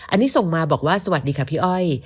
อันนี้ส่งมาบอกว่าสวัสดีค่ะพี่อ้อย